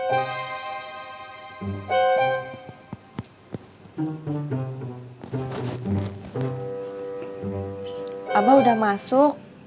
abah udah masuk